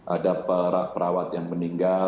ada perawat yang meninggal